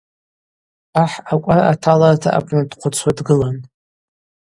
Ахӏ акӏвар аталырта апны дхьвыцуа дгылан.